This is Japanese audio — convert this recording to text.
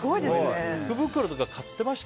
福袋とか買ってました？